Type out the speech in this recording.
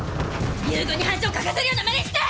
遊軍に恥をかかせるようなマネして！